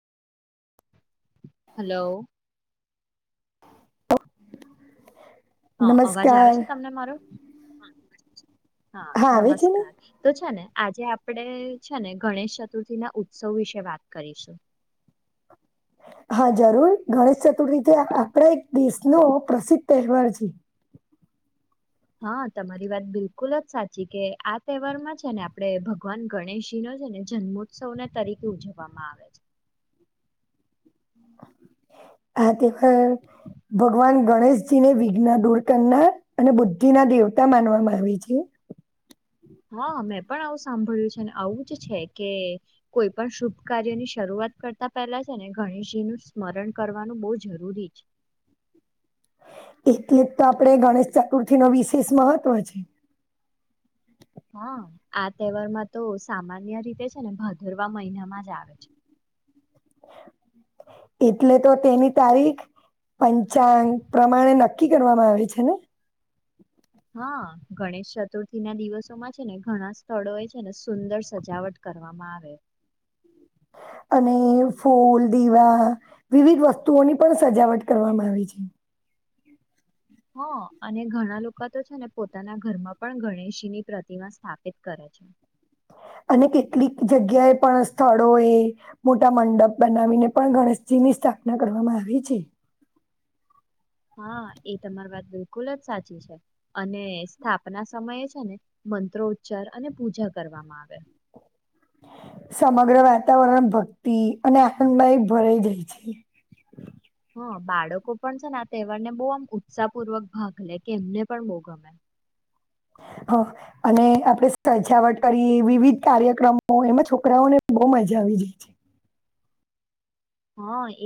Hello હા અવાજ આવે છે નમસ્કાર. તમને મારો હા આવે છે ને? નમસ્કાર તો છે ને આજે આપણે છે ને ગણેશ ચતુર્થી ના ઉત્સવ વિશે વાત કરીશું [unintelligible] હા જરૂર ગણેશ ચતુર્થીથી આપડા એક દેશનો પ્રસિદ્ધ તહેવાર છે [unintelligible] હા તમારી વાત બિલકુલ જ સાચી કે આ તહેવારમાં છે ને આપડણે ભગવાન ગણેશજી ન ને જન્મોત્સવને તરીકે ઉજવવામાં આવે છે હ તે ભગવાન ગણેશજી ને વિઘ્ન દૂર કરનાર અને બુદ્ધિ ના દેવતા માનવામાં આવે છે હા મેં પણ આવું સાંભળ્યું છે અને આવું જ છે કે કોઈ પણ શુભ કાર્ય ની શરૂઆત વા કરતા પહેલા છે ને ગણેશજી નું સ્મરણ કરવાનું બહુ જરૂરી છે એટલે જ તો આપણે ગણેશ ચતુર્થી ન વિશેષ મહત્વ છે [unintelligible] હા આ તહેવારમાં તો સામાન્ય રીતે છે ને ભદરવા મહિનામાં જ આવે છે [unintelligible] એટલે તો તેની તારીખ પંચાંગ પ્રમાણે નક્ નક્કી કરવામાં આવી છે ને હા ગણેશ ચતુર્થી ના દિવસોમાં છે ને ઘણા સ્થળો એ છે ને સુંદર સજાવટ કરવામાં આવે. [unintelligible] અને ફૂલ દીવા વિવિધ વસ્તુઓની પણ સજાવટ કરવામાં આવી છે હ અને ઘણા લોકો તો છે ને પોતાના ઘરમાં પણ ગણેશજીની પ્રતિમા સ્થાપિત કરે [unintelligible] અને કેટલીક જગ્યાએ પણ સ્થળો એ મોટા મંડપ બનાવીને પણ ગણેશ ની સ્થાપના કરવામાં આવી છે હા એ તમારી વાત બિલકુલ જ સાચી છે અને સ્થાપના સમયે છે ને મંત્રોચ્ચાર અને પૂજા કરવામાં આવે સમગ્ર વાતાવરન ભક્તિ અને આખંમાંય ભરઈ દેય છે. હં બાળકો પણ છે ને આ તહેવાર ને બઉ આમ ઉત્સાહપૂર્વક ભાગ લે કે એમને પણ બઉ ગમે હ અને આપડે સજાવટ કરીએ વિવિધ કાર્યક્રમો એમાં છોકરાઓને બઉ મજા આ [unintelligible] હાં એ